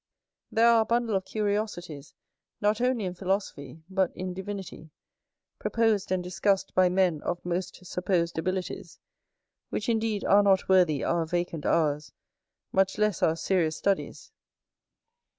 There are a bundle of curiosities, not only in philosophy, but in divinity, proposed and discussed by men of most supposed abilities, which indeed are not worthy our vacant hours, much less our serious studies.